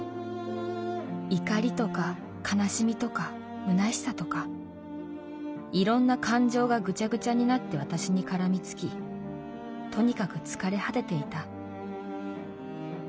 怒りとか悲しみとか虚しさとかいろんな感情がぐちゃぐちゃになって私に絡みつきとにかく疲れ果てていた。